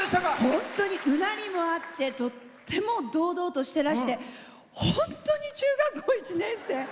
本当に、うなりもあってとっても堂々としてらして本当に中学１年生？